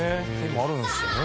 今あるんですよね。